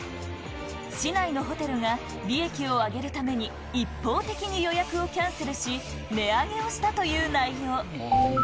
市内のホテルが、利益を上げるために、一方的に予約をキャンセルし、値上げをしたという内容。